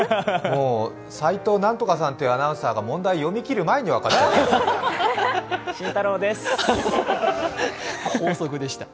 もう齋藤何とかさんっていうアナウンサーが問題読み切る前に分かりました。